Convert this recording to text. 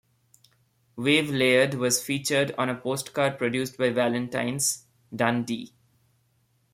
"Wave Laird" was featured on a postcard produced by Valentine's, Dundee.